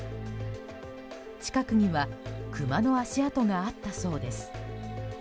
近くにはクマの足跡があったそうです。